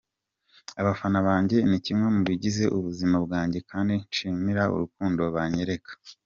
Abafana banjye ni kimwe mu bigize ubuzima bwanjye kandi nshimira urukundo banyereka.